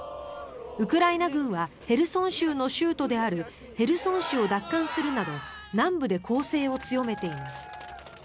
ウクライナ軍はヘルソン州の州都であるヘルソン市を奪還するなど南部で攻勢を強めています。